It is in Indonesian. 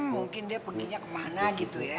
mungkin dia perginya kemana gitu ya